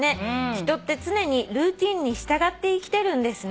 「人って常にルーティンに従って生きてるんですね」